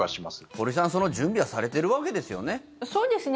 堀さん、その準備はされているわけですよね？